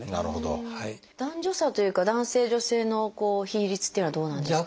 男女差というか男性女性の比率っていうのはどうなんですか？